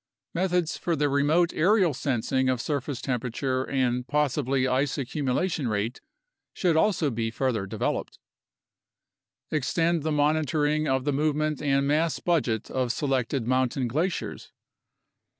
Methods for the remote aerial sensing of surface temperature and possibly ice accumulation rate should also be further developed. Extend the monitoring of the movement and mass budget of se lected mountain glaciers.